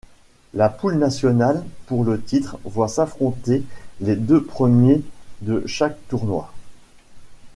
La poule nationale pour le titre voit s'affronter les deux premiers de chaque tournoi.